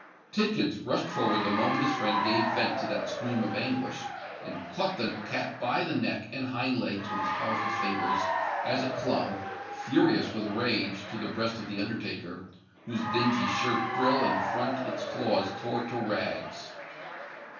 Tidkins rushed forward the moment his friend gave vent to that scream of anguish, and caught the cat by the neck and hind legs with his powerful fingers, as it clung, furious with rage, to the breast of the undertaker, whose dingy shirt frill and front its claws tore to rags.